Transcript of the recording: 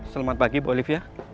selamat pagi bu olivia